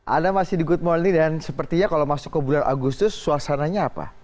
anda masih di good morning dan sepertinya kalau masuk ke bulan agustus suasananya apa